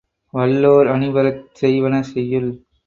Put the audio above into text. வல்லோர் அணிபெறச் செய்வன செய்யுள்